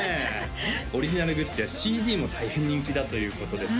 オリジナルグッズやＣＤも大変人気だということです